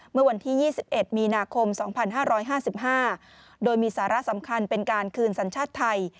เมื่อวันที่๒๑มีนาคม๒๕๕๕โดยมีสาระสำคัญเป็นการคืนสัญชาติไทย